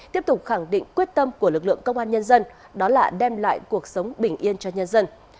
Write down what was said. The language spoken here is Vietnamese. tiếp tục khẳng định quyết tâm của lực lượng công an nhân dân đó là đem lại cuộc sống bình yên cho nhân dân